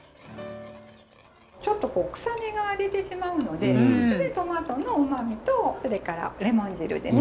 ちょっと臭みが出てしまうのでトマトのうまみとそれからレモン汁でね。